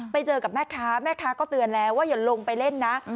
ไปเจอกับแม่ค้าแม่ค้าก็เตือนแล้วว่าอย่าลงไปเล่นนะ